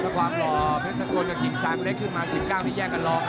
ความหล่อเพชรสกนกับกิ่งซ้ายมันได้ขึ้นมา๑๙ที่แยกกันรอบ